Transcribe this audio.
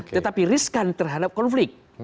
tetapi riskan terhadap konflik